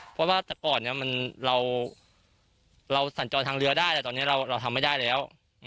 เพราะว่าแต่ก่อนเราสัญจรทางเรือได้แต่ตอนนี้เราทำไม่ได้แล้ว